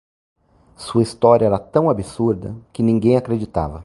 Sua história era tão absurda que ninguém acreditava.